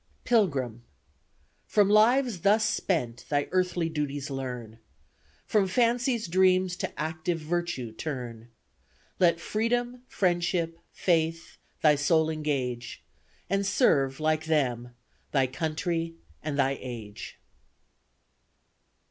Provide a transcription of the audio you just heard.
PILGRIM. FROM LIVES THUS SPENT THY EARTHLY DUTIES LEARN; FROM FANCY'S DREAMS TO ACTIVE VIRTUE TURN: LET FREEDOM, FRIENDSHIP, FAITH, THY SOUL ENGAGE, AND SERVE, LIKE THEM, THY COUNTRY AND THY AGE.